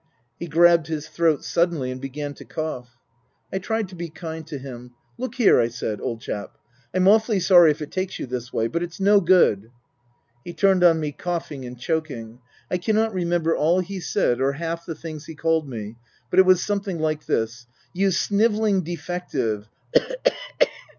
'' He grabbed his throat suddenly and began to cough. I tried to be kind to him. " Look here," I said, " old chap. I'm awfully sorry if it takes you this way. But it's no good." He turned on me coughing and choking. I cannot remember all he said or half the things he called me, but it was something like this :" You snivelling defective."